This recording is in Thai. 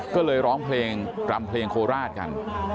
ก็เลยร้องเพลงรำเพลงโคราชกัน